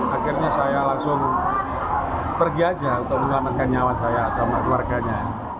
akhirnya saya langsung pergi aja untuk menyelamatkan nyawa saya sama keluarganya